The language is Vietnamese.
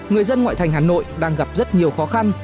người dân ngoại thành hà nội đang gặp rất nhiều khó khăn